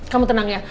kamu tenang ya